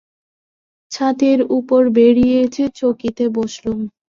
ছাতের উপর বেরিয়ে এসে চৌকিতে বসলুম।